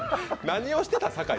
何をしてた、酒井。